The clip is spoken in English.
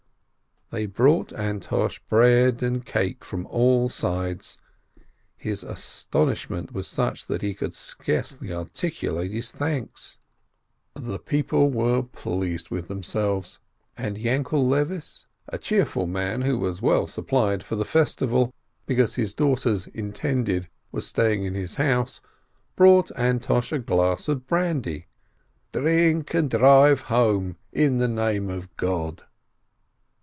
They brought Antosh bread and cake from all sides; his astonishment was such that he could scarcely articu late his thanks. The people were pleased with themselves, and Yainkel Leives, a cheerful man, who was well supplied for the 420 RAISIN festival, because his daughter's "intended" was staying in his house, brought Antosh a glass of brandy : "Drink, and drive home, in the name of God